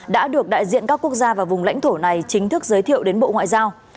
đã được đại diện các quốc gia và vùng lãnh thổ này chính thức giới thiệu đến bộ ngoại giao